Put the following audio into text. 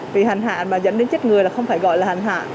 vì hành hạ mà dẫn đến chết người là không phải gọi là hành hạ